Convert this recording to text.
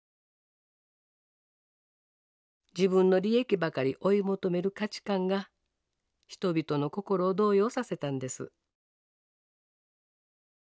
自分の利益ばかり追い求める価値観が人々の心を動揺させたんです。